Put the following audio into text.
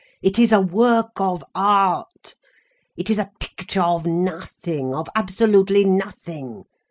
It is a work of art, it is a picture of nothing, of absolutely nothing.